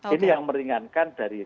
ini yang meringankan dari